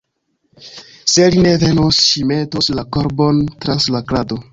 Se li ne venos, ŝi metos la korbon trans la krado.